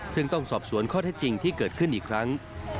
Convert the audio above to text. ซึ่งต้องสอบสวนข้อเท็จจริงที่เกิดขึ้นอีกครั้ง